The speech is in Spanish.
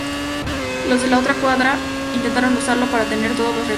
Los de la Otra Cuadra intentaron usarlo para tener todos los regalos.